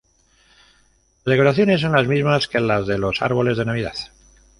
Las decoraciones son las mismas que las de los árboles de Navidad.